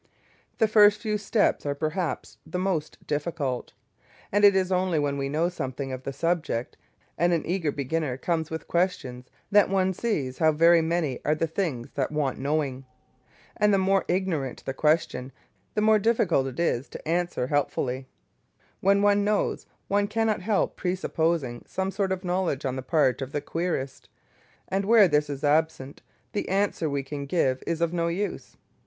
The first few steps are perhaps the most difficult, and it is only when we know something of the subject and an eager beginner comes with questions that one sees how very many are the things that want knowing. And the more ignorant the questioner, the more difficult it is to answer helpfully. When one knows, one cannot help presupposing some sort of knowledge on the part of the querist, and where this is absent the answer we can give is of no use.